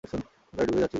প্রায় ডুবেই যাচ্ছিল সে।